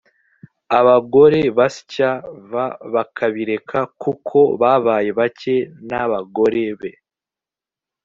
abagore basya v bakabireka kuko babaye bake n abagore be